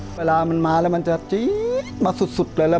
เวลามันมาแล้วมันจะจี๊ดมาสุดเลยแล้ว